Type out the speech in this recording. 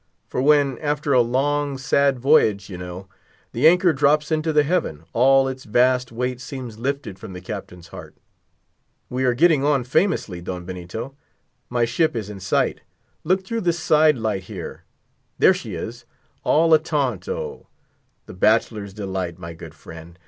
For when, after a long, sad voyage, you know, the anchor drops into the haven, all its vast weight seems lifted from the captain's heart. We are getting on famously, Don Benito. My ship is in sight. Look through this side light here; there she is; all a taunt o! The Bachelor's Delight, my good friend.